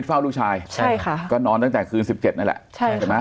เฝ้าลูกชายใช่ค่ะก็นอนตั้งแต่คืนสิบเจ็บนี่แหละใช่ไหม